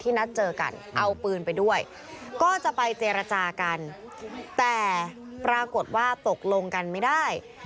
นัดเจอกันเอาปืนไปด้วยก็จะไปเจรจากันแต่ปรากฏว่าตกลงกันไม่ได้